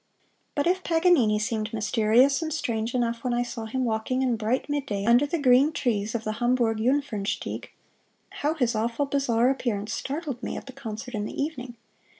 But if Paganini seemed mysterious and strange enough when I saw him walking in bright midday under the green trees of the Hamburg Jungfernstieg, how his awful bizarre appearance startled me at the concert in the evening!